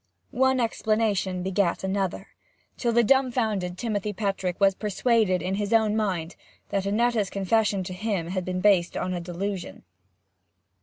One explanation begat another, till the dumbfoundered Timothy Petrick was persuaded in his own mind that Annetta's confession to him had been based on a delusion.